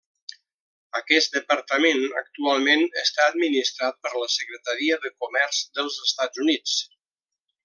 Aquest departament actualment està administrat per la Secretaria de Comerç dels Estats Units.